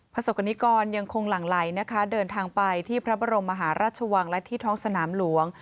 ประสบกรณิกรยังคงหลั่งไหลนะคะเดินทางไปที่พระบรมมหาราชวังและที่ท้องสนามหลวง